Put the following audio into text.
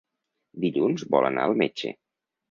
Dilluns vol anar al metge.